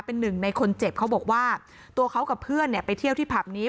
เป็นหนึ่งในคนเจ็บเขาบอกว่าตัวเขากับเพื่อนเนี่ยไปเที่ยวที่ผับนี้